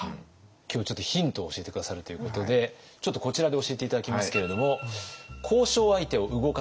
今日ちょっとヒントを教えて下さるということでちょっとこちらで教えて頂きますけれどもどういうことですか？